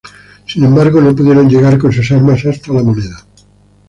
Sin embargo, no pudieron llegar con sus armas hasta la La Moneda.